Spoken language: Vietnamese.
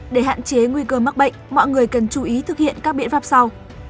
để hạn chế nguy cơ mắc bệnh mọi người cần chú ý thực hiện các biện pháp sau